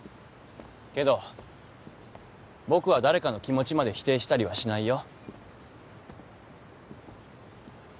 けど僕は誰かの気持ちまで否定したりはしないよ。